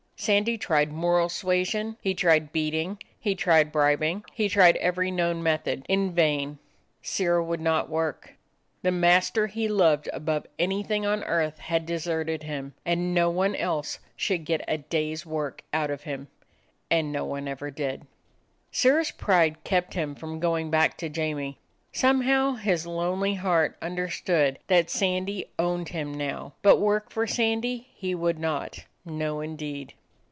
Sandy tried moral suasion, he tried beating, he tried bribing; he tried every known method. In vain. Sirrah would not work. The mas ter he loved above anything on earth had de serted him, and no one else should get a day's work out of him. And no one ever did. Sirrah's pride kept him from going back to Jamie. Somehow his lonely heart understood that Sandy owned him now. But work for Sandy he would not; no, indeed.